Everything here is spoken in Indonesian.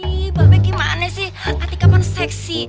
ih mbak be gimana sih atika pun seksi